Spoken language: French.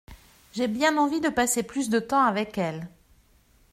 J'ai bien envie de passer plus de temps avec elle.